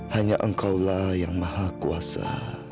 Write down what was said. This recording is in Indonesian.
hanya engkaulah yang maha kuasa